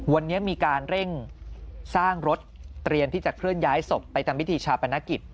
วันนี้มีการเร่งสร้างรถเตรียมที่จะเคลื่อนย้ายศพไปทำพิธีชาปนกิจ